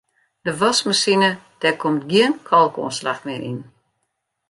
De waskmasine dêr komt gjin kalkoanslach mear yn.